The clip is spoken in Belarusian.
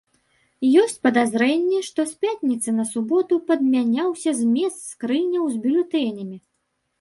Ёсць падазрэнні, што з пятніцы на суботу падмяняўся змест скрыняў з бюлетэнямі.